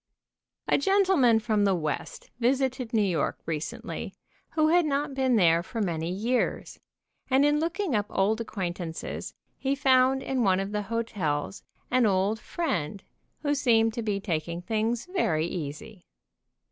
A gentleman from the West visited New York re cently, who had not been there for many years, and in looking up old acquaintances he found in one of the hotels an old friend who seemed to be taking things very easy.